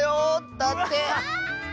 だって。